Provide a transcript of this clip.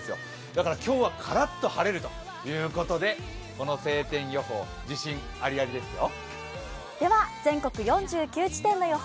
だから今日はカラッと晴れるということで、この晴天予報、自信ありありですよ